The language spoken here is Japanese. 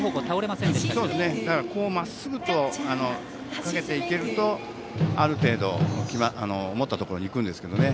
まっすぐかけていけるとある程度思ったところに行くんですけどね。